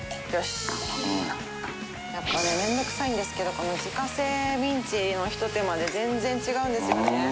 やっぱね面倒くさいんですけどこの自家製ミンチのひと手間で全然違うんですよね。